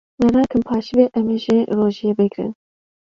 Me rakin paşîvê em ê jî rojiyê bigrin.